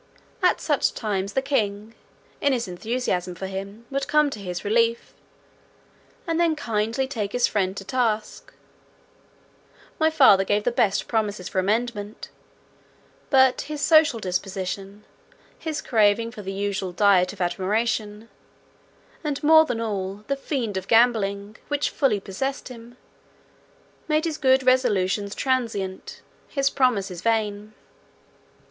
At such times the king, in his enthusiasm for him, would come to his relief, and then kindly take his friend to task; my father gave the best promises for amendment, but his social disposition, his craving for the usual diet of admiration, and more than all, the fiend of gambling, which fully possessed him, made his good resolutions transient, his promises vain.